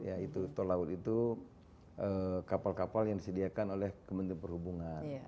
ya itu tol laut itu kapal kapal yang disediakan oleh kementerian perhubungan